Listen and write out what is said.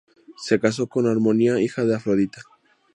Se casó con Harmonía, hija de Afrodita.